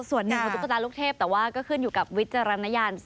ส่วนหนึ่งของชุกตาลรูคเทพคือยังอยู่กับวิจารณนยาน